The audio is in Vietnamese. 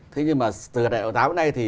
thế nhưng mà từ đại hội tám đến nay